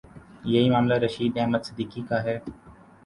یہی معاملہ رشید احمد صدیقی کا ہے۔